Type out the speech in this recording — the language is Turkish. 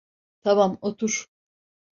Tamam, otur.